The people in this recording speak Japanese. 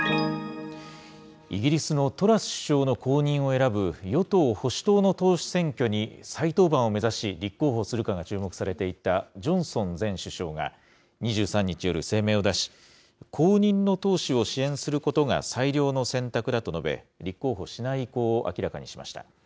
イギリスのトラス首相の後任を選ぶ与党・保守党の党首選挙に再登板を目指し立候補するかが注目されていたジョンソン前首相が２３日夜、声明を出し、後任の党首を支援することが最良の選択だと述べ、立候補しない意向を明らかにしました。